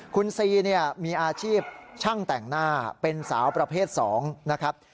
คุณซีเนี่ยมีอาชีพช่างแต่งหน้าเป็นสาวประเภท๒นะครับ